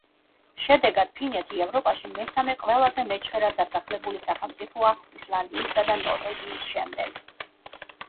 შედეგად, ფინეთი ევროპაში მესამე ყველაზე მეჩხერად დასახლებული სახელმწიფოა ისლანდიისა და ნორვეგიის შემდეგ.